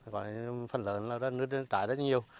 còn những phần lớn là nứt trái rất nhiều